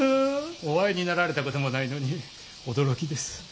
お会いになられたこともないのに驚きです。